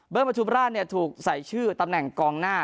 เบิ้ลบทุมราชเนี่ยถูกใส่ชื่อตำแหน่งกองหน้า